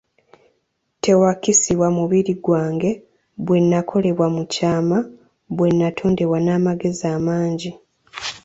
Tewakisibwa mubiri gwange, bwe nnakolebwa mu kyama, bwe nnatondebwa n'amagezi amangi.